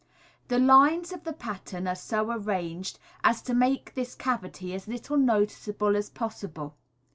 The lines of the pattern are so arranged as to make this cavity as little noticeable as possible.